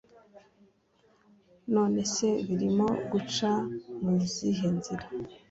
nonese birimo guca muzihe nzira